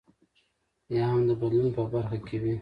یا هم د بدلون په برخه کې وي.